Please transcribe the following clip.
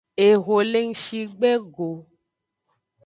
Eho le ngshi gbe go.